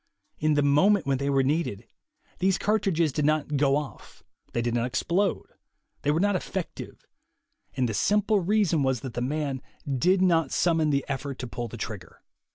In the moment when they were needed, these cartridges did not "go off," they did not explode, they were not ef fective, and the simple reason was that the man did not summon the effort to pull the trigger.